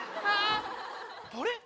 あれ？